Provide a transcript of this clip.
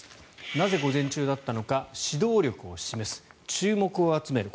なぜ午前中だったのか指導力を示す注目を集める